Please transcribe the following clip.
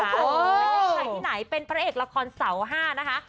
ไม่ใช่ใครที่ไหนเป็นพระเอกละครเสาห้านะคะ